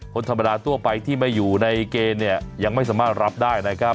คนธรรมดาทั่วไปที่ไม่อยู่ในเกณฑ์เนี่ยยังไม่สามารถรับได้นะครับ